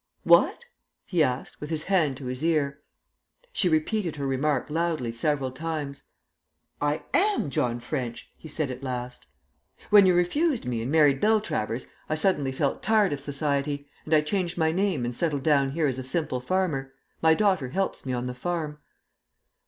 "What?" he asked, with his hand to his ear. She repeated her remark loudly several times. "I am John French," he said at last. "When you refused me and married Beltravers I suddenly felt tired of Society; and I changed my name and settled down here as a simple farmer. My daughter helps me on the farm."